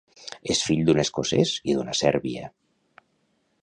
És fill d'un escocès i d'una sèrbia.